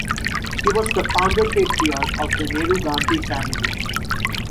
He was the founder patriarch of the Nehru-Gandhi family.